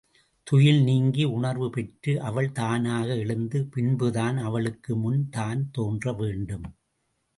துயில் நீங்கி உணர்வு பெற்று அவள் தானாக எழுந்த பின்புதான் அவளுக்குமுன் தான் தோன்ற வேண்டும்.